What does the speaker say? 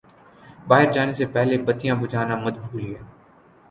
باہر جانے سے پہلے بتیاں بجھانا مت بھولئے